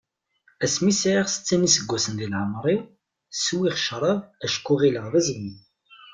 Asmi sɛiɣ setta n yiseggasen di leɛmer-iw, swiɣ crab acku ɣileɣ d iẓmi.